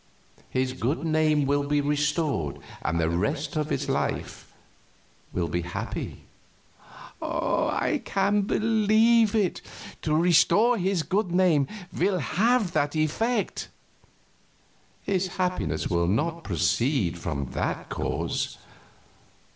His good name will be restored, and the rest of his life will be happy." "I can believe it. To restore his good name will have that effect." "His happiness will not proceed from that cause.